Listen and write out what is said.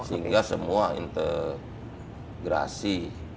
sehingga semua integrasi